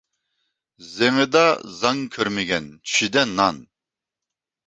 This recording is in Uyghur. زېڭىدا زاڭ كۆرمىگەن، چۈشىدە نان.